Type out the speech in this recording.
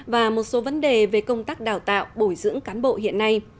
và một số vấn đề về công tác đào tạo bồi dưỡng cán bộ hiện nay